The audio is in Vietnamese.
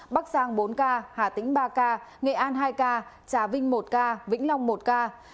bắc giang bốn ca hà tĩnh ba ca nghệ an hai ca trà vinh một ca vĩnh long một ca